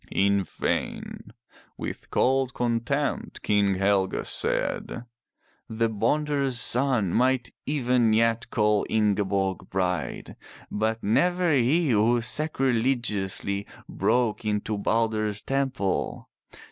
In vain. With cold contempt King Helge said: "The bonder's son might even yet call Ingeborg bride. But never he who sacrilegiously broke into Balder's temple.